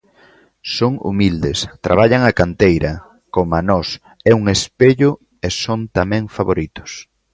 Son humildes, traballan a canteira, coma nós, é un espello e son tamén favoritos.